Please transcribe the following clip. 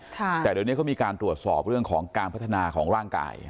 แต่เดี๋ยวนี้เขามีการตรวจสอบเรื่องของการพัฒนาของร่างกาย